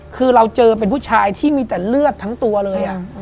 คือเราเจอเป็นผู้ชายที่มีแต่เลือดทั้งตัวเลย